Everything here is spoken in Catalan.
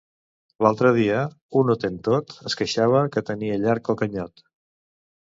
L'altre dia, un hotentot es queixava que tenia llarg el canyot